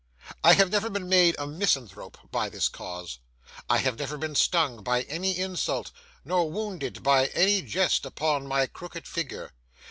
I have never been made a misanthrope by this cause. I have never been stung by any insult, nor wounded by any jest upon my crooked figure.